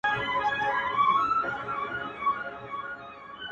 که دا وجود ساه را پرېږدي نور ځي په مخه يې ښه~